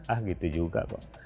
ah gitu juga kok